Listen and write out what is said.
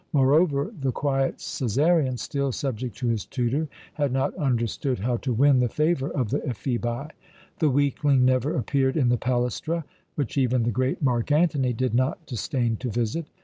Moreover, the quiet Cæsarion, still subject to his tutor, had not understood how to win the favour of the Ephebi. The weakling never appeared in the Palæstra, which even the great Mark Antony did not disdain to visit.